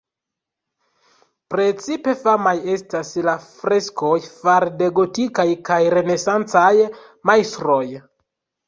Precipe famaj estas la freskoj fare de gotikaj kaj renesancaj majstroj.